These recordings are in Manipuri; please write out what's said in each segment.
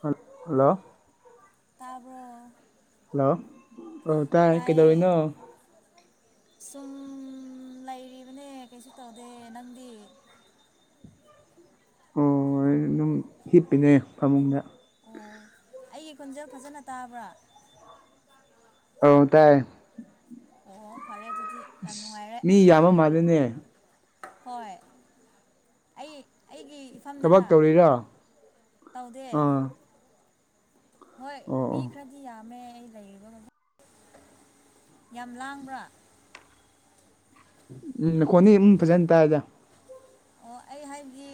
ꯍ ꯍꯜꯂꯣ ꯇꯥꯔꯕꯣ ꯍꯜꯂꯣ ꯑꯣ ꯇꯥꯏ ꯇꯥꯏꯌꯦ ꯀꯩꯗꯧꯔꯤꯅꯣ ꯁꯨꯝ ꯂꯩꯔꯤꯕꯅꯦ ꯀꯩꯁꯨ ꯇꯧꯗꯦ ꯅꯪꯗꯤ ꯑꯣ ꯑꯗꯨꯝ ꯍꯤꯞꯄꯤꯅꯦ ꯐꯃꯨꯡꯗ ꯑꯣ ꯑꯩꯒꯤ ꯈꯨꯟꯖꯦ ꯐꯖꯅ ꯇꯥꯕ꯭ꯔꯥ ꯑ ꯇꯥꯏ ꯑꯣ ꯐꯔꯦ ꯑꯗꯨꯗꯤ ꯌꯥꯝ ꯑꯁ ꯅꯨꯡꯉꯥꯏꯔꯦ ꯃꯤ ꯌꯥꯝꯕ ꯃꯥꯜꯜꯂꯤꯅꯦ ꯍꯣꯏ ꯑꯩ ꯑꯩꯒꯤ ꯊꯕꯛ ꯐꯝꯗꯅ ꯇꯧꯔꯤꯔꯣ ꯇꯧꯗꯦ ꯑꯥ ꯍꯣꯏ ꯑꯣ ꯃꯤ ꯑꯣ ꯈꯔꯗꯤ ꯌꯥꯝꯃꯦ ꯂꯩꯔꯤꯕ ꯌꯥꯝ ꯂꯥꯡꯕ꯭ꯔꯥ ꯎꯝ ꯅꯈꯣꯟꯅꯤ ꯑꯗꯨꯝ ꯐꯖꯅ ꯇꯥꯏꯗ ꯑꯣ ꯑꯩ ꯍꯥꯏꯕꯗꯤ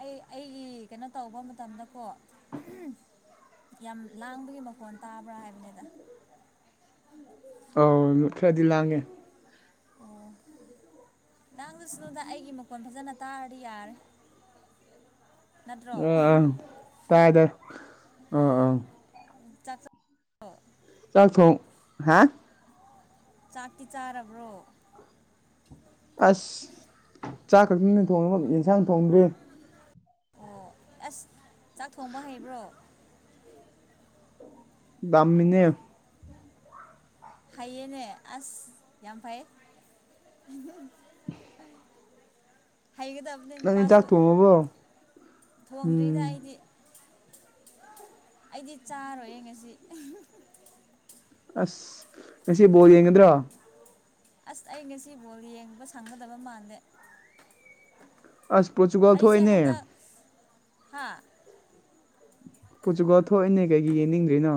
ꯑꯩ ꯑꯩꯒꯤ ꯀꯩꯅꯣ ꯇꯧꯕ ꯃꯇꯝꯗꯀꯣ [unintelligible] ꯌꯥꯝ ꯂꯥꯡꯕꯒꯤ ꯃꯈꯣꯟ ꯇꯥꯕ꯭ꯔꯥ ꯍꯥꯏꯕꯅꯤꯗ ꯑꯧ ꯈꯔꯗꯤ ꯂꯥꯡꯉꯦ ꯎꯝ ꯅꯪꯗꯨꯁꯨ ꯑꯩꯒꯤ ꯃꯈꯣꯟ ꯐꯖꯅ ꯇꯥꯔꯗꯤ ꯌꯥꯔꯦ ꯅꯠꯇ꯭ꯔꯣ ꯑꯥ ꯑꯥ ꯇꯥꯏꯗ ꯑꯥ ꯑꯥ ꯑꯣ ꯆꯥꯛ ꯊꯣꯡ ꯍꯥ ꯆꯥꯛꯇꯤ ꯆꯥꯔꯕ꯭ꯔꯣ ꯑꯁ ꯆꯥꯛ ꯈꯛꯇꯅ ꯊꯣꯡꯕ ꯌꯦꯟꯁꯥꯡ ꯊꯣꯡꯗ꯭ꯔꯤ ꯑꯣ ꯑꯁ ꯆꯥꯛ ꯊꯣꯡꯕ ꯍꯩꯕ꯭ꯔꯣ ꯇꯝꯃꯤꯅꯦ ꯐꯩꯌꯦꯅꯦ ꯑꯁ ꯌꯥꯝ ꯐꯩ ꯍꯩꯏꯒꯗꯕꯅꯤ ꯅꯪ ꯗꯤ ꯆꯥꯛ ꯊꯣꯡꯉꯕꯣ ꯊꯣꯡꯗ꯭ꯔꯤꯗ ꯎꯝ ꯑꯩꯗꯤ ꯑꯩꯗꯤ ꯆꯥꯔꯣꯏꯌꯦ ꯉꯁꯤ ꯑꯁ ꯉꯁꯤ ꯕꯣꯜ ꯌꯦꯡꯒꯗ꯭ꯔꯣ ꯑꯁ ꯑꯩ ꯉꯁꯤ ꯕꯣꯜ ꯌꯦꯡꯕ ꯁꯪꯒꯗꯕ ꯃꯥꯟꯗꯦ ꯑꯁ ꯑꯩꯁꯦ ꯊꯣꯛꯏꯅꯦ ꯍꯟꯗꯛ ꯍꯥ ꯄꯣꯔꯇꯨꯒꯜ ꯊꯣꯛꯏꯅꯦ ꯀꯩꯒꯤ ꯌꯦꯡꯅꯤꯡꯗ꯭ꯔꯤꯅꯣ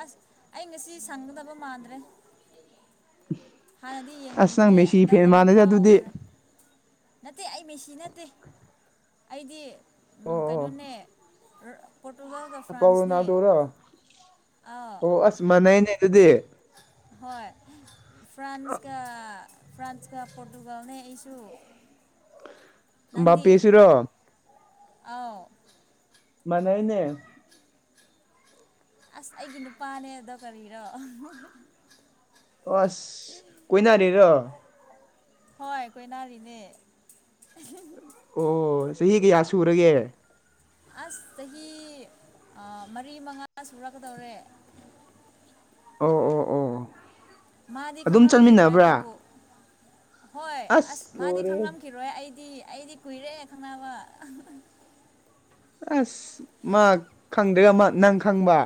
ꯑꯁ ꯑꯩ ꯉꯁꯤ ꯁꯪꯒꯗꯕ ꯃꯥꯟꯗ꯭ꯔꯦ ꯍꯥꯟꯅꯗꯤ ꯑꯁ ꯅꯪ ꯌꯦꯡꯂꯝꯕꯅꯦ ꯃꯦꯁꯤ ꯍꯟꯗꯛ ꯐꯦꯟ ꯑꯃꯨꯛ ꯃꯥꯟꯅꯩꯗ ꯑꯗꯨꯗꯤ ꯀꯥꯎꯈ꯭ꯔꯦ ꯅꯠꯇꯦ ꯑꯩ ꯃꯦꯁꯤ ꯅꯠꯇꯦ ꯑꯩꯗꯤ ꯑꯣ ꯀꯩꯅꯣꯅꯦ ꯑꯣ ꯄꯣꯔꯇꯨꯒꯥꯜꯒ ꯄꯥꯎ ꯐ꯭ꯔꯥꯟꯁꯅꯦ ꯔꯣꯅꯥꯜꯗꯣꯔꯣ ꯃꯅꯩꯅꯦ ꯑꯗꯨꯗꯤ ꯍꯣꯏ ꯐ꯭ꯔꯥꯟꯁꯀ ꯐ꯭ꯔꯥꯟꯁꯀ ꯄꯣꯔꯇꯨꯒꯜꯅꯦ ꯑꯩꯁꯨ ꯅꯪꯗꯤ ꯃꯄꯦꯁꯤꯔꯣ ꯑꯥꯎ ꯃꯥꯅꯩꯅꯦ ꯑꯁ ꯑꯩꯒꯤ ꯅꯨꯄꯥꯅꯦ ꯑꯗꯣ ꯀꯔꯤꯅꯣ ꯑꯁ ꯀꯣꯏꯅꯔꯤꯔꯣ ꯍꯣꯏ ꯀꯣꯏꯅꯔꯤꯅꯦ ꯑꯣ ꯆꯍꯤ ꯀꯌꯥ ꯁꯨꯔꯒꯦ ꯑꯁ ꯆꯍꯤ ꯃꯔꯤ ꯃꯉꯥ ꯁꯨꯔꯛꯀꯗꯧꯔꯦ ꯑꯣ ꯑꯣ ꯑꯣ ꯃꯥꯗꯤ ꯑꯗꯨꯝ ꯈꯪꯂꯝꯈꯤꯔꯣꯏ ꯆꯠꯃꯤꯟꯅꯕ꯭ꯔꯥ ꯑꯗꯨꯕꯨ ꯍꯣꯏ ꯑꯁ ꯃꯥꯗꯤ ꯈꯪꯂꯝꯈꯤ ꯑꯩꯗꯤ ꯑꯩꯗꯤ ꯀꯨꯏꯔꯦ ꯈꯪꯅꯕ ꯑꯁ ꯃꯥ ꯈꯪꯗ꯭ꯔꯒ ꯅꯪ ꯈꯪꯕ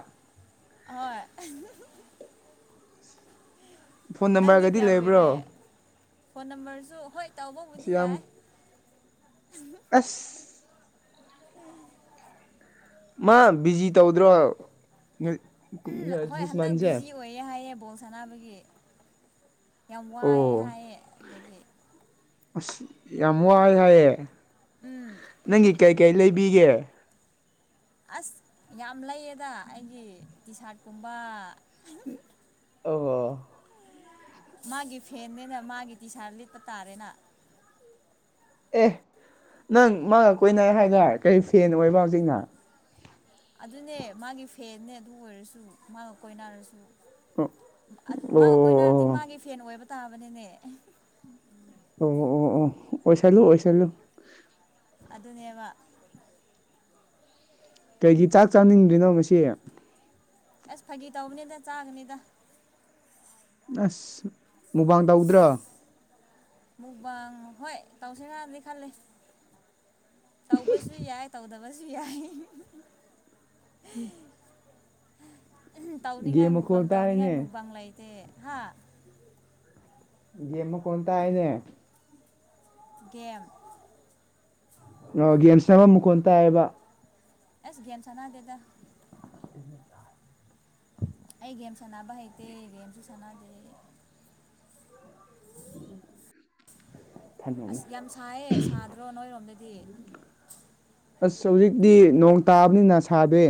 ꯍꯣꯏ ꯐꯣꯟ ꯅꯪꯗꯤ ꯅꯝꯕꯔꯒꯗꯤ ꯀꯌꯥ ꯀꯨꯏꯔꯦ ꯂꯩꯕ꯭ꯔꯣ ꯐꯣꯟ ꯅꯝꯕꯔꯁꯨ ꯍꯣꯏ ꯇꯧꯕꯕꯨꯗꯤ ꯁꯤ ꯌꯥꯝ ꯌꯥꯏ ꯑꯁ ꯎꯝ ꯃꯥ ꯕꯤꯖꯤ ꯇꯧꯗ꯭ꯔꯣ ꯗꯤꯁ ꯃꯟꯁꯦ ꯍꯏꯌꯦ ꯍꯥꯏꯌꯦ ꯕꯣꯜ ꯁꯥꯟꯅꯕꯒꯤ ꯌꯥꯝ ꯋꯥꯏ ꯑꯣ ꯍꯥꯏꯌꯦ ꯑꯗꯒꯤ ꯑꯁ ꯌꯥꯝ ꯋꯥꯏ ꯍꯥꯏꯌꯦ ꯎꯝ ꯅꯪꯒꯤ ꯀꯩꯀꯩ ꯂꯩꯕꯤꯒꯦ ꯑꯁ ꯌꯥꯝ ꯂꯩꯌꯦꯗ ꯑꯩꯒꯤ ꯇꯤ ꯁꯥꯔꯠꯀꯨꯝꯕ ꯑꯣ ꯃꯥꯒꯤ ꯐꯦꯟꯅꯤꯅ ꯃꯥꯒꯤ ꯇꯤ ꯁꯥꯔꯠ ꯂꯤꯠꯄ ꯇꯥꯔꯦꯅ ꯑꯦ ꯅꯪ ꯃꯥꯒ ꯀꯣꯏꯅ ꯍꯥꯏꯗ ꯀꯔꯤ ꯐꯦꯟ ꯑꯣꯏꯕ ꯍꯧꯖꯤꯛꯅ ꯑꯗꯨꯅꯦ ꯃꯥꯒꯤ ꯐꯦꯟ ꯑꯗꯨ ꯑꯣꯏꯔꯁꯨ ꯃꯥꯒ ꯀꯣꯏꯅꯔꯁꯨ ꯑꯣ ꯃꯥ ꯑꯩꯈꯣꯏꯅ ꯍꯥꯏꯔꯗꯤ ꯑꯣ ꯃꯥꯒꯤ ꯐꯦꯟ ꯑꯣꯏꯕ ꯇꯥꯕꯅꯤꯅꯦ ꯎꯝ ꯑꯣ ꯑꯣ ꯑꯣ ꯑꯣꯏꯁꯜꯂꯨ ꯑꯣꯏꯁꯜꯂꯨ ꯑꯗꯨꯅꯦꯕ ꯀꯩꯒꯤ ꯆꯥꯛ ꯆꯥꯅꯤꯡꯗ꯭ꯔꯤꯅꯣ ꯉꯁꯤ ꯑꯁ ꯐꯥꯒꯤ ꯇꯧꯕꯅꯤꯗ ꯆꯥꯒꯅꯤꯗ ꯑꯁ ꯃꯨꯛꯕꯥꯡ ꯇꯧꯗ꯭ꯔꯣ ꯃꯨꯛꯕꯥ ꯍꯣꯏ ꯇꯧꯁ ꯉꯗꯤ ꯈꯜꯂꯤ ꯇꯧꯕꯁꯨ ꯌꯥꯏ ꯇꯧꯗꯕ ꯌꯥꯢ ꯎꯝ ꯇꯧꯅꯤꯡꯉꯥꯏ ꯃꯨꯛꯕꯥꯪ ꯃꯈꯣꯜ ꯇꯧꯅꯤꯡꯉꯥꯏ ꯇꯥꯏꯅꯦ ꯃꯨꯛꯕꯪ ꯂꯩꯇꯦ ꯍꯥ ꯒꯦꯝ ꯃꯀꯣꯟ ꯇꯥꯏꯅꯦ ꯒꯦꯝ ꯒꯦꯝ ꯁꯟꯅꯕ ꯃꯈꯣꯟ ꯇꯥꯏꯑꯕ ꯑꯁ ꯒꯦꯝ ꯁꯥꯟꯅꯗꯦꯗ [inaudible] ꯑꯩ ꯒꯦꯝ ꯁꯥꯟꯅꯕ ꯍꯩꯇꯦ ꯒꯦꯝꯁꯨ ꯁꯥꯟꯅꯗꯦ ꯊꯝꯃꯝꯃꯦ ꯑꯁ ꯌꯥꯝ ꯁꯥꯏꯌꯦ ꯁꯥꯗ꯭ꯔꯣ ꯅꯣꯏꯔꯣꯝꯗꯗꯤ ꯑꯁ ꯍꯧꯖꯤꯛꯇꯤ ꯅꯣꯡ ꯇꯥꯕꯅꯤꯅ ꯁꯥꯗꯣ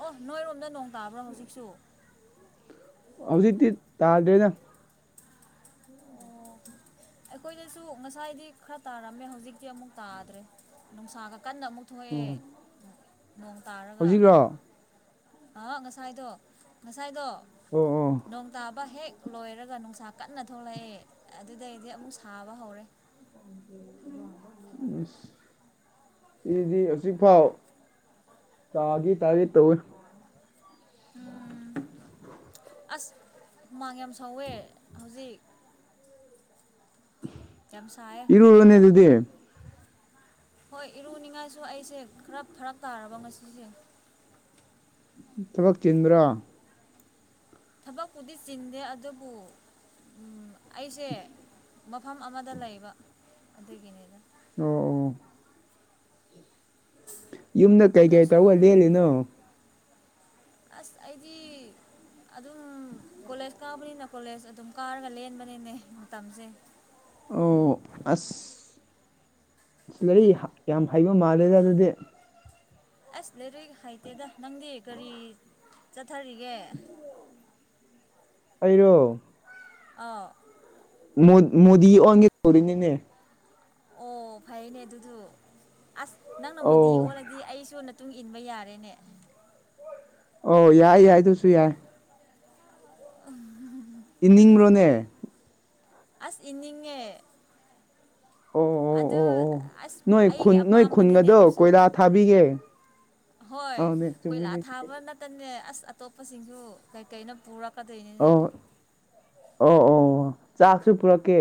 ꯑꯣ ꯅꯣꯏꯔꯣꯝꯗ ꯅꯣꯡ ꯇꯥꯕ꯭ꯔꯣ ꯍꯧꯖꯤꯛꯁꯨ ꯍꯧꯖꯤꯛꯗꯤ ꯇꯥꯔꯗꯦꯅ ꯑꯣ [inaudible] ꯑꯩꯈꯣꯏꯗꯁꯨ ꯉꯁꯥꯏꯗꯤ ꯈꯔ ꯇꯥꯔꯝꯃꯦ ꯍꯧꯖꯤꯛꯇꯤ ꯑꯃꯨꯛ ꯇꯥꯗ꯭ꯔꯦ ꯅꯨꯡꯁꯥꯒ ꯀꯟꯅ ꯑꯃꯨꯛ ꯊꯣꯛꯑꯦ ꯎꯝ ꯅꯣꯡ ꯇꯥꯔꯒ ꯍꯧꯖꯤꯛꯔꯣ ꯑ ꯉꯁꯥꯏꯗꯣ ꯉꯁꯥꯏꯗꯣ ꯑꯣ ꯑꯣ ꯅꯣꯡ ꯇꯥꯕ ꯍꯦꯛ ꯂꯣꯏꯔꯒ ꯅꯨꯡꯁꯥ ꯀꯟꯅ ꯊꯣꯛꯂꯛꯑꯦ ꯑꯗꯨꯗꯩꯗꯤ ꯑꯃꯨꯛ ꯁꯥꯕ ꯍꯧꯔꯦ [unintelligible] ꯁꯤꯗꯤ ꯍꯧꯖꯤꯛꯐꯥꯎ ꯇꯥꯒꯤ ꯇꯥꯔꯒꯦꯠ ꯇꯧꯏꯤ ꯎꯝ ꯑꯁ ꯍꯨꯃꯥꯡ ꯁꯧꯋꯦ ꯍꯧꯖꯤꯛ ꯁꯥꯏꯌꯦ ꯏꯔꯨꯔꯣꯅꯦ ꯀꯔꯤꯒꯥ ꯑꯗꯨꯗꯤ ꯍꯣꯏ ꯏꯔꯨꯅꯤꯡꯉꯥꯏꯁꯨ ꯑꯩꯁꯦ ꯈꯔ ꯐꯔꯛ ꯇꯥꯔꯕ ꯉꯁꯤꯁꯦ ꯊꯕꯛ ꯆꯤꯟꯕ꯭ꯔꯥ ꯊꯕꯛꯄꯨꯗꯤ ꯆꯤꯟꯗꯦ ꯑꯗꯨꯕꯨ ꯑꯩꯁꯦ ꯃꯐꯝ ꯑꯃꯗ ꯂꯩꯕ ꯑꯗꯨꯒꯤꯅꯤꯗ ꯑꯣ ꯑꯣ ꯌꯨꯝꯗ ꯀꯩ ꯆꯨꯝꯅ ꯀꯩ ꯁꯨꯝ ꯇꯧꯔꯒ ꯂꯦꯜꯂꯤꯅꯣ ꯑꯁ ꯑꯩꯗꯤ ꯑꯗꯨꯝ ꯀꯣꯂꯦꯖ ꯀꯥꯕꯅꯤꯅ ꯀꯣꯂꯦꯖ ꯑꯗꯨꯝ ꯀꯥꯔꯒ ꯂꯦꯟꯕꯅꯤꯅꯦ ꯃꯇꯝꯁꯦ ꯑꯣ ꯑꯁ ꯂꯩꯔꯤꯛ ꯌꯥꯝ ꯍꯩꯕ ꯃꯥꯜꯂꯦꯗ ꯑꯗꯨꯗꯤ ꯑꯁ ꯂꯩꯔꯤꯛ ꯍꯥꯏꯇꯦꯗ ꯅꯪꯗꯤ ꯀꯔꯤ ꯆꯠꯊꯔꯤꯒꯦ ꯑꯩꯔꯣ ꯑꯧ ꯃꯣꯗꯤ ꯑꯣꯟꯒꯦ ꯇꯧꯔꯤꯅꯤꯅꯦ ꯑꯣ ꯐꯩꯅꯦ ꯑꯗꯨꯗꯨ ꯑꯁ ꯅꯪ ꯅ ꯃꯣꯗꯤ ꯑꯧ ꯑꯣꯜ ꯗꯤ ꯑꯩꯁꯨ ꯃꯇꯨꯡ ꯏꯟꯕ ꯌꯥꯔꯦꯅꯦ ꯑꯣ ꯌꯥꯏ ꯌꯥꯏ ꯑꯗꯨꯁꯨ ꯌꯥꯏ ꯎꯝ ꯏꯅꯤꯡꯕꯔꯣꯅꯦ ꯑꯁ ꯏꯅꯤꯡꯉꯦ ꯑꯣ ꯑꯣ ꯑꯗꯨ ꯑꯣ ꯑꯣ ꯑꯁ ꯅꯣꯏ ꯑꯩꯒꯤ ꯈꯨꯟ ꯅꯣꯏ ꯑꯄꯥꯝꯕꯅꯤꯅꯦ ꯈꯨꯟꯒꯗꯣ ꯑꯗꯨꯁꯨ ꯀꯣꯏꯂꯥ ꯊꯥꯕꯤꯒꯦ ꯍꯣꯏ ꯑꯧꯅꯦ ꯀꯣꯏꯂꯥ ꯆꯨꯝꯃꯤꯅꯦ ꯊꯥꯕ ꯅ ꯈꯇꯅꯦ ꯑꯁ ꯑꯇꯣꯞꯄꯁꯤꯡꯁꯨ ꯀꯩꯀꯩꯅ ꯄꯨꯔꯛꯀꯗꯣꯏꯅꯤꯅꯦ ꯑꯣ ꯑꯣ ꯑꯣ ꯆꯥꯛꯁꯨ ꯄꯨꯔꯛꯀꯦ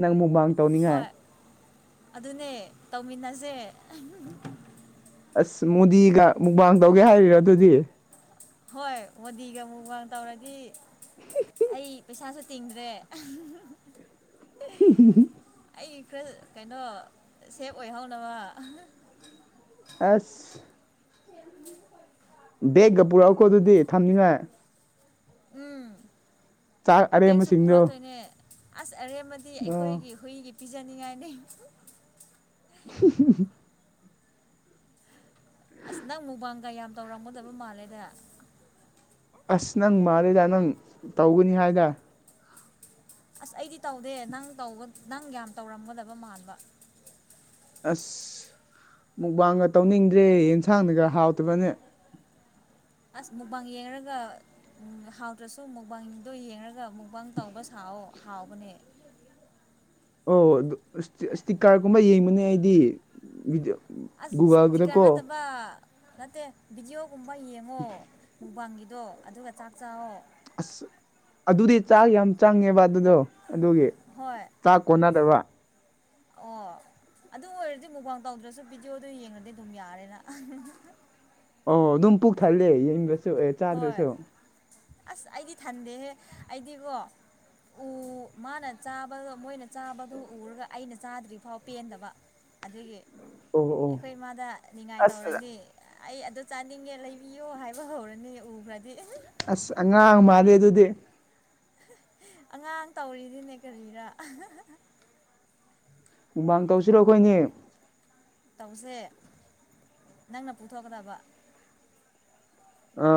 ꯅꯪ ꯃꯨꯛꯕꯥꯡ ꯇꯧꯅꯤꯡꯉꯥꯏ ꯍꯣꯏ ꯑꯗꯨꯅꯦ ꯇꯧꯃꯤꯟꯅꯁꯦ ꯑꯁ ꯃꯣꯗꯤꯒ ꯃꯨꯛꯕꯥꯥꯡ ꯇꯧꯒꯦ ꯍꯥꯏꯔꯤꯔꯣ ꯑꯗꯨꯗꯤ ꯍꯣꯏ ꯃꯣꯗꯤꯒ ꯃꯨꯛꯕꯥꯡ ꯇꯧꯔꯗꯤ [unintelligible] ꯑꯩ ꯄꯩꯁꯥꯁꯨ ꯇꯤꯡꯗ꯭ꯔꯦ ꯑꯩꯒꯤ ꯈꯨꯜ ꯀꯩꯅꯣ ꯁꯦꯞ ꯑꯣꯏꯍꯧꯅꯕ ꯑꯁ ꯕꯦꯒꯀ ꯄꯨꯔꯛꯎꯀꯣ ꯑꯗꯨꯗꯤ ꯊꯝꯅꯤꯡꯉꯥꯏ ꯎꯝ ꯆꯥꯛ ꯕꯦꯒꯁꯨ ꯑꯔꯦꯝꯕꯁꯤꯡꯗꯣ ꯄꯨꯔꯛꯇꯣꯏꯅꯦ ꯑꯁ ꯑꯔꯦꯝꯕꯗꯤ ꯑꯣ ꯑꯩꯈꯣꯏꯒꯤ ꯍꯨꯏꯒꯤ ꯄꯤꯖꯅꯤꯡꯉꯥꯏꯅꯦ [unintelligible] ꯑꯁ ꯅꯪ ꯃꯨꯕꯥꯡꯒꯌꯥꯝ ꯇꯧꯔꯝꯒꯗꯕ ꯃꯥꯜꯂꯦꯗ ꯑꯁ ꯅꯪ ꯃꯥꯜꯂꯦꯗ ꯅꯪ ꯇꯧꯒꯅꯤ ꯍꯥꯏꯗ ꯑꯁ ꯑꯩꯗꯤ ꯇꯧꯗꯦ ꯅꯪ-ꯅꯪ ꯌꯥꯝ ꯇꯧꯔꯝꯒꯗꯕ ꯃꯥꯟꯕ ꯑꯁ ꯃꯨꯛꯕꯥꯡꯒ ꯇꯧꯅꯤꯡꯗ꯭ꯔꯦ ꯑꯦꯟꯁꯥꯡꯅꯒ ꯍꯥꯎꯇꯕꯅꯦ ꯑꯁ ꯃꯨꯕꯥꯥꯡ ꯌꯦꯡꯉꯒ ꯍꯥꯎꯗ꯭ꯔꯁꯨ ꯃꯨꯕꯥꯡ ꯑꯗꯨꯣ ꯌꯦꯡꯔꯒ ꯃꯨꯛꯕꯥꯪ ꯇꯧꯕ ꯁꯥꯑꯣ ꯍꯥꯎꯕꯅꯦ ꯑꯣ ꯑꯗꯨ ꯏꯁꯇꯤꯛꯀꯔꯒꯨꯝꯕ ꯌꯦꯡꯕꯅꯦ ꯑꯩꯗꯤ ꯚꯤꯗꯤꯑꯣ ꯑꯁ ꯁ꯭ꯇꯤꯀꯥꯔ ꯒꯨꯒꯜꯗꯀꯣ ꯅꯠꯇꯥꯕꯥ ꯅꯠꯇꯦ ꯕꯤꯗꯤꯌꯑꯣꯒꯨꯝꯕ ꯌꯦꯡꯉꯣ ꯃꯨꯕꯥꯪꯒꯤꯗꯣ ꯑꯗꯨꯒ ꯆꯥꯛ ꯆꯥꯋꯣ ꯑꯁ ꯑꯗꯨꯗꯤ ꯆꯥꯛ ꯌꯥꯝ ꯆꯪꯉꯦꯕ ꯑꯗꯨꯗꯣ ꯑꯗꯨꯒꯤ ꯍꯣꯏ ꯆꯥꯛ ꯀꯣꯟꯅꯗꯕ ꯑꯣ ꯑꯗꯨ ꯑꯣꯏꯔꯗꯤ ꯃꯨꯕꯥꯥꯎ ꯇꯧꯗ꯭ꯔꯁꯨ ꯚꯤꯗꯤꯑꯣꯗꯨ ꯌꯦꯡꯉꯗꯤ ꯑꯗꯨꯝ ꯌꯥꯔꯦꯅ ꯑꯣ ꯑꯗꯨꯝ ꯄꯨꯛ ꯊꯜꯂꯦ ꯌꯦꯡꯗꯔꯁꯨ ꯑꯦ ꯍꯣꯏ ꯆꯥꯗ꯭ꯔꯁꯨ ꯑꯁ ꯑꯩꯗꯤ ꯊꯟꯗꯦꯍꯦ ꯑꯩꯗꯤꯀꯣ ꯎ ꯃꯥꯅ ꯆꯥꯕ ꯃꯣꯏꯅ ꯆꯥꯕꯗꯨ ꯎꯔꯒ ꯑꯩꯅ ꯆꯥꯗ꯭ꯔꯤꯐꯥꯎ ꯄꯦꯟꯗꯕ ꯑꯗꯨꯒꯤ ꯑꯣ ꯑꯣ ꯑꯩꯈꯣꯏ ꯏꯃꯥꯗ ꯅꯤꯡꯉꯥꯏ ꯑꯁ ꯇꯧꯔꯅꯤ ꯑꯩ ꯑꯗꯨ ꯆꯥꯅꯤꯡꯉꯦ ꯂꯩꯕꯤꯌꯨ ꯍꯥꯏꯕ ꯍꯧꯔꯦ ꯅꯤ ꯎꯋꯔꯗꯤ ꯑꯁ ꯑꯉꯥꯡ ꯃꯥꯜꯂꯦ ꯑꯗꯨꯗꯤ ꯑꯉꯥꯡ ꯇꯧꯔꯤꯅꯤꯅꯦ ꯀꯔꯤꯔꯥ ꯃꯨꯛꯕꯥꯥꯡ ꯇꯧꯁꯤꯔꯣ ꯑꯩꯈꯣꯏꯅꯤ ꯇꯧꯁꯦ ꯅꯪꯅ ꯄꯨꯊꯣꯛꯀꯗꯕ ꯑ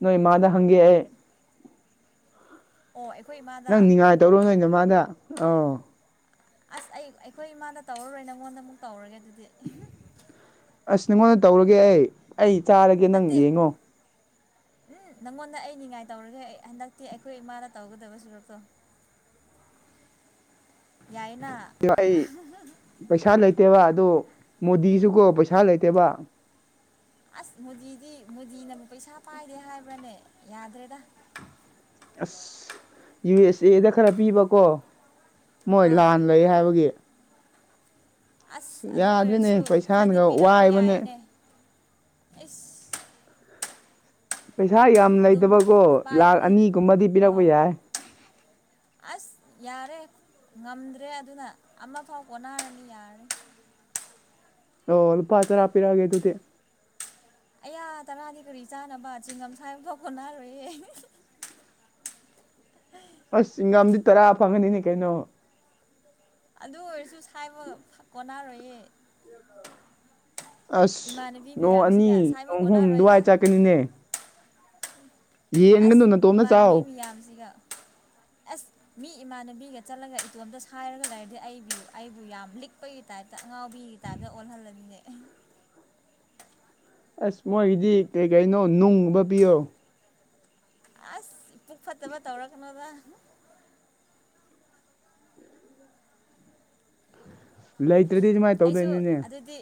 ꯅꯣꯏꯃꯗ ꯍꯦ ꯑꯣ ꯑꯩꯈꯣꯏ ꯏꯃꯥꯗ ꯅꯪ ꯅꯤꯡꯉꯥꯏ ꯇꯧꯔꯣ ꯅꯣꯏꯩꯅ ꯃꯥꯗ ꯑ ꯑꯁ ꯑꯩ ꯑꯩꯈꯣꯏ ꯏꯃꯥꯗ ꯇꯧꯔꯨꯔꯣꯏ ꯅꯪꯉꯣꯟꯗ ꯑꯃꯨꯛ ꯇꯧꯔꯒꯦ ꯑꯗꯨꯗꯤ ꯑꯁ ꯅꯉꯣꯟꯗ ꯇꯧꯔꯒꯦ ꯑꯩ ꯑꯩ ꯆꯥꯔꯒꯦ ꯅꯪ ꯅꯠꯇꯦ ꯌꯦꯡꯉꯣ ꯎꯝ ꯅꯪꯉꯣꯟꯗ ꯑꯩ ꯅꯤꯡꯉꯥꯏ ꯇꯧꯔꯒꯦ ꯑꯩ ꯍꯟꯗꯛꯇꯤ ꯑꯩꯈꯣꯏ ꯏꯃꯥꯗ ꯇꯧꯒꯗꯕ ꯁꯨꯔꯛꯇꯣ [inaudible] ꯌꯥꯏꯅ ꯑꯩ ꯄꯩꯁꯥ ꯂꯩꯇꯦꯕ ꯑꯗꯨ ꯃꯣꯗꯤꯁꯨꯀꯣ ꯄꯩꯁꯥ ꯂꯩꯇꯦꯕ ꯑꯁ ꯃꯣꯗꯤꯗꯤ ꯃꯨꯗꯤꯅꯕꯨꯛ ꯄꯩꯁꯥ ꯄꯥꯏꯗꯦ ꯍꯥꯏꯕ꯭ꯔꯅꯦ ꯌꯥꯗ꯭ꯔꯦꯗ ꯑꯁ ꯌꯨ ꯑꯦꯁ ꯑꯦꯗ ꯈꯔ ꯄꯤꯕꯀꯣ ꯃꯣꯏ ꯑꯥ ꯂꯥꯟ ꯂꯩ ꯍꯥꯏꯕꯒꯤ ꯑꯁ ꯑꯗꯨ ꯌꯥꯗ꯭ꯔꯦꯅꯦ ꯑꯣꯏꯔꯁꯨ ꯈꯔꯗꯤ ꯄꯩꯁꯥꯅꯒ ꯄꯤꯔꯛꯄ ꯋꯥꯏꯕꯅꯦ ꯌꯥꯏꯅꯦ ꯑꯁ ꯄꯩꯁꯥ ꯌꯥꯝ ꯑꯗꯨꯝ ꯂꯩꯇꯕꯀꯣ ꯂꯥꯈ ꯄꯥꯏꯕꯅꯦ ꯑꯅꯤꯒꯨꯝꯕꯗꯤ ꯄꯤꯔꯛꯄ ꯑꯥ ꯌꯥꯏ ꯑꯁ ꯌꯥꯔꯦ ꯉꯝꯗ꯭ꯔꯦ ꯑꯗꯨꯅ ꯑꯃꯐꯥꯎ ꯀꯣꯟꯅꯔꯅꯤ ꯌꯥꯔꯦ ꯑꯣ ꯂꯨꯄ ꯇꯔꯥꯄꯤꯔꯒꯦ ꯑꯗꯨꯗꯤ ꯑꯌꯥ ꯇꯔꯥꯗꯤ ꯀꯔꯤ ꯆꯥꯅꯕ ꯆꯤꯡꯒꯝ ꯁꯥꯏꯕꯐꯥꯎ ꯀꯣꯟꯅꯔꯣꯏꯌꯦ ꯑꯁꯤ ꯆꯤꯡꯒꯝꯗꯤ ꯇꯔꯥ ꯐꯪꯒꯅꯤꯍꯦ ꯀꯩꯅꯣ ꯑꯗꯨ ꯑꯣꯏꯔꯁꯨ ꯁꯥꯏꯕ ꯀꯣꯟꯅꯔꯣꯏꯌꯦ ꯑꯁ ꯏꯃꯥꯟꯅꯕꯤ ꯅꯣꯡ ꯃꯌꯥꯝꯁꯤꯒ ꯑꯅꯤ ꯁꯥꯏꯕ ꯅꯣꯡ ꯑꯍꯨꯝ ꯀꯣꯟꯅꯔꯣꯏꯗ ꯑꯗꯨꯋꯥꯏ ꯆꯠꯀꯅꯤꯅꯦ ꯑꯁ ꯌꯦꯟꯒꯅꯨ ꯅꯇꯣꯝꯇ ꯏꯃꯥꯟꯅꯕꯤ ꯆꯥꯎ ꯃꯌꯥꯝꯁꯤꯒ ꯑꯁ ꯃꯤ ꯏꯃꯥꯟꯅꯕꯤꯒ ꯆꯠꯂꯒ ꯏꯇꯣꯝꯇ ꯁꯥꯏꯔꯒ ꯂꯩꯔꯗꯤ ꯑꯩꯕꯨ ꯑꯩꯕꯨ ꯌꯥꯝ ꯂꯤꯛꯄꯒꯤ ꯇꯥꯏꯞꯇ ꯑꯉꯥꯎꯕꯤꯒꯤ ꯇꯥꯏꯞꯇ ꯑꯣꯜꯍꯜꯂꯅꯤꯅꯦ ꯑꯦ ꯑꯁ ꯃꯣꯏꯒꯤꯗꯤ ꯀꯩ ꯀꯩꯅꯣ ꯅꯨꯡꯒꯨꯝꯕ ꯄꯤꯌꯣ ꯑꯁ ꯄꯨꯛ ꯐꯠꯇꯕ ꯇꯧꯔꯛꯀꯅꯣꯗ ꯂꯩꯇ꯭ꯔꯗꯤ ꯁꯨꯃꯥꯏꯅ ꯑꯩꯁꯨ ꯇꯧꯗꯣꯏꯅꯤꯅꯦ ꯑꯗꯨꯗꯤ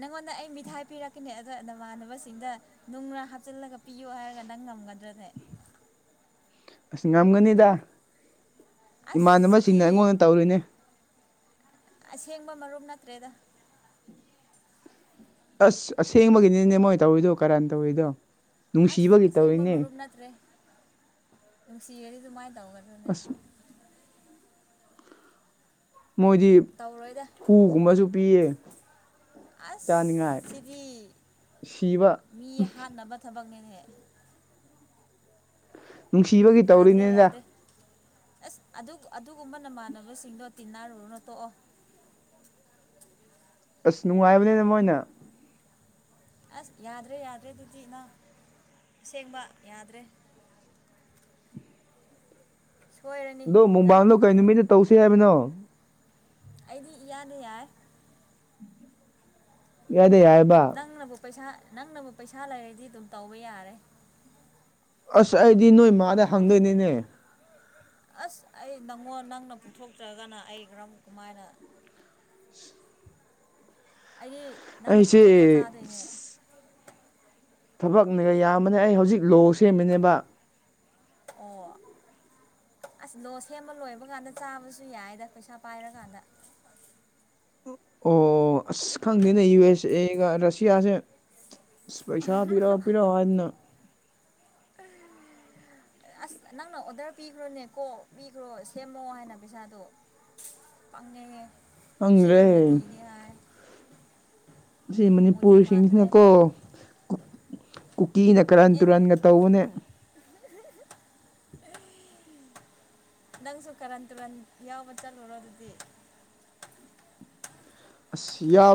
ꯅꯪꯉꯣꯟꯗ ꯑꯩ ꯃꯤꯊꯥꯏ ꯄꯤꯔꯛꯀꯅꯦ ꯑꯗꯣ ꯅꯃꯥꯟꯅꯕꯁꯤꯡꯗ ꯅꯨꯡꯅ ꯍꯥꯞꯆꯤꯜꯂꯒ ꯄꯤꯌꯣ ꯍꯥꯏꯔꯒ ꯅꯪ ꯉꯝꯒꯗ꯭ꯔꯅꯦ ꯑꯁ ꯉꯝꯒꯅꯤꯗ ꯑꯁ ꯁꯤꯗꯤ ꯏꯃꯥꯟꯅꯕꯁꯤꯡꯅ ꯑꯩꯉꯣꯟꯗ ꯇꯧꯔꯤꯅꯦ ꯑꯁꯦꯡꯕ ꯃꯔꯨꯞ ꯅꯠꯇ꯭ꯔꯦꯗ ꯑꯁ ꯑꯁꯦꯡꯕꯒꯤꯅꯤꯅꯦ ꯃꯣꯏ ꯇꯧꯔꯤꯗꯣ ꯀꯔꯥꯏꯅ ꯇꯧꯔꯤꯗꯣ ꯑꯁ ꯅꯨꯡꯁꯤꯕꯒꯤ ꯑꯁꯦꯡꯕ ꯇꯧꯔꯤꯅꯦ ꯃꯔꯨꯞ ꯅꯠꯇ꯭ꯔꯦ ꯅꯨꯡꯁꯤꯔꯗꯤ ꯑꯗꯨꯃꯥꯏꯅ ꯇꯧꯒꯗꯔꯅꯦ ꯑꯁ ꯃꯣꯏꯗꯤ ꯇꯧꯔꯣꯏꯗ ꯍꯨꯒꯨꯝꯕꯁꯨ ꯄꯤꯌꯦ ꯑꯁ ꯆꯥꯅꯤꯡꯉꯥꯏ ꯁꯤꯗꯤ ꯁꯤꯕ ꯃꯤ ꯍꯥꯠꯅꯕ ꯊꯕꯛꯅꯦꯅꯦ ꯅꯨꯡꯁꯤꯕꯒꯤ ꯌꯥꯗ꯭ꯔꯦ ꯇꯧꯔꯤꯅꯤꯗ ꯌꯥꯗ꯭ꯔꯦ ꯑꯁ ꯑꯗꯨꯒꯨꯝꯕ ꯅꯃꯥꯟꯅꯕꯁꯤꯡꯗꯣ ꯇꯤꯟꯅꯔꯨꯔꯅꯣ ꯇꯣꯛꯑꯣ ꯑꯁ ꯅꯨꯡꯉꯥꯏꯕꯅꯤꯅ ꯃꯣꯏꯅ ꯑꯁ ꯌꯥꯗ꯭ꯔꯦ ꯌꯥꯗ꯭ꯔꯦ ꯑꯗꯨꯗꯤ ꯅꯪ ꯑꯁꯦꯡꯕ ꯌꯥꯗ꯭ꯔꯦ ꯁꯣꯏꯔꯅꯤ ꯑꯗꯣ ꯅꯪ ꯃꯨꯝꯕꯥꯜꯗꯣ ꯀꯔꯤ ꯅꯨꯃꯤꯠꯇ ꯇꯧꯁꯦ ꯍꯥꯏꯕꯅꯣ ꯑꯩꯗꯤ ꯏꯌꯥꯗ ꯌꯥꯏ ꯏꯌꯥꯗ ꯌꯥꯏꯑꯦꯕ ꯅꯪꯅꯕꯨ ꯄꯩꯁꯥ ꯅꯪꯅꯕꯨ ꯄꯩꯁꯥ ꯂꯩꯔꯗꯤ ꯑꯗꯨꯝ ꯇꯧꯕ ꯌꯥꯔꯦ ꯑꯁ ꯑꯩꯗꯤ ꯅꯣꯏ ꯃꯥꯗ ꯍꯪꯗꯣꯏꯅꯤꯅꯦ ꯑꯁ ꯑꯩ ꯅꯪꯉꯣꯟ ꯅꯪꯅ ꯄꯨꯊꯣꯛꯆꯔꯒꯅ ꯑꯩ ꯀꯔꯝ ꯀꯃꯥꯏꯅ [unintelligible] ꯑꯩꯗꯤ ꯅꯪꯅ ꯑꯩꯁꯦ ꯄꯨꯊꯣꯛꯄ ꯇꯥꯗꯣꯏꯅꯦ ꯊꯕꯛꯅꯒ ꯌꯥꯝꯕꯅꯦ ꯑꯩ ꯍꯧꯖꯤꯛ ꯂꯣ ꯁꯦꯝꯃꯤꯅꯦꯕ ꯑꯣ ꯑꯁ ꯂꯣ ꯁꯦꯝꯕ ꯂꯣꯏꯕ ꯀꯥꯟꯗ ꯆꯥꯕꯁꯨ ꯌꯥꯏꯗ ꯄꯩꯁꯥ ꯄꯥꯏꯔꯀꯥꯟꯗ ꯑꯣ ꯑꯁ ꯈꯪꯗꯦꯅꯦ ꯌꯨ ꯑꯦꯁ ꯑꯦꯒ ꯔꯁꯤꯌꯥꯁꯦ ꯑꯁ ꯄꯩꯁꯥ ꯄꯤꯔꯛꯑꯣ ꯄꯤꯔꯛꯑꯣ ꯍꯥꯏꯗꯅ ꯑꯁ ꯅꯪꯅ ꯑꯣꯗꯔ ꯄꯤꯈ꯭ꯔꯣꯅꯦꯀꯣ ꯄꯤꯈ꯭ꯔꯣ ꯁꯦꯝꯃꯣ ꯍꯥꯏꯅ ꯄꯩꯁꯥꯗꯣ ꯄꯪꯉꯦꯍꯦ ꯁꯤꯕꯣ ꯈꯪꯗ꯭ꯔꯦ ꯃꯣꯗꯤꯅꯦ ꯍꯥꯏ ꯁꯤ ꯃꯣꯗꯤ ꯃꯥꯟꯗ꯭ꯔꯦ ꯃꯅꯤꯄꯨꯔꯁꯤꯡꯁꯤꯅꯀꯣ ꯀꯨꯀꯤꯅ ꯀꯔꯟ ꯑꯦ ꯇꯨꯔꯟꯒ ꯇꯧꯕꯅꯦ ꯅꯪꯁꯨ ꯀꯔꯟ ꯇꯨꯔꯟ ꯌꯥꯎꯕ ꯆꯠꯂꯨꯔꯣ ꯑꯗꯨꯗꯤ ꯑꯁ